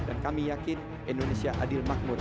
dan kami yakin indonesia adil makmur